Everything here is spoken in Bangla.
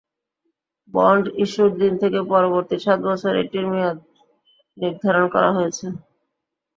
বন্ড ইস্যুর দিন থেকে পরবর্তী সাত বছর এটির মেয়াদ নির্ধারণ করা হয়েছে।